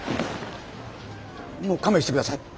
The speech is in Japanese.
もう勘弁して下さい。